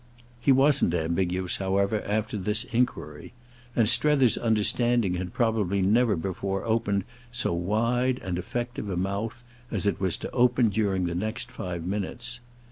He wasn't ambiguous, however, after this enquiry; and Strether's understanding had probably never before opened so wide and effective a mouth as it was to open during the next five minutes.